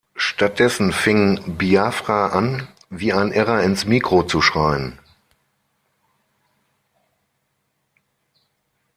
Stattdessen fing Biafra an, „wie ein Irrer ins Mikro zu schreien.